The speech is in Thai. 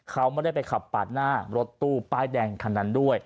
เขาไม่ได้ไปขับปาดหน้ารถตู้ป้ายแดงคันนั้นด้วย